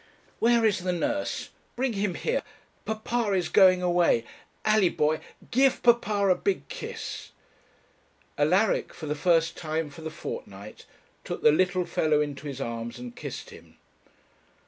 'Where is the nurse? bring him here papa is going away Alley, boy, give papa a big kiss.' Alaric, for the first time for the fortnight, took the little fellow into his arms and kissed him.